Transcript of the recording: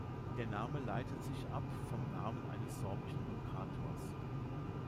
Der Name leitet sich ab vom Namen eines sorbischen Lokators.